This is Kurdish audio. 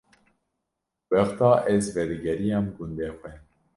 Wexta ez vedigeriyam gundê xwe